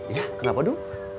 ya kenapa du